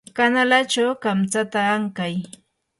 kanalachaw kamtsata ankay.